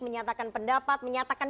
menyatakan pendapat menyatakan